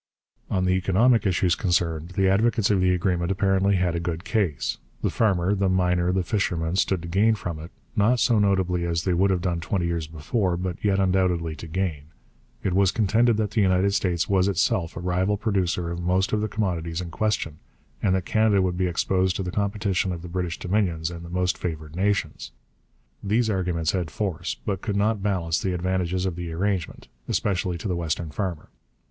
On the economic issues concerned the advocates of the agreement apparently had a good case. The farmer, the miner, the fisherman stood to gain from it, not so notably as they would have done twenty years before, but yet undoubtedly to gain. It was contended that the United States was itself a rival producer of most of the commodities in question, and that Canada would be exposed to the competition of the British Dominions and the most favoured nations. These arguments had force, but could not balance the advantages of the arrangement, especially to the western farmer.